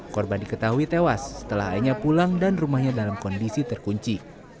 korban diketahui tewas setelah ayahnya pulang dan rumahnya dalam kondisi terkunci